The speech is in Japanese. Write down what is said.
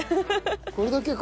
これだけか。